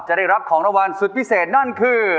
จะได้รับของรางวัลสุดพิเศษนั่นคือ